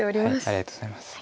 ありがとうございます。